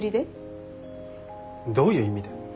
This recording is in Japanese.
どういう意味だよ。